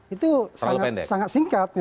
itu sangat singkat memang